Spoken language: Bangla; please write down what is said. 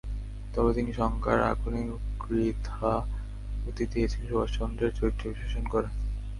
তবে তিনি শঙ্কার আগুনে ঘৃতাহুতি দিয়েছেন সুভাষ চন্দ্রের চরিত্র বিশ্লেষণ করে।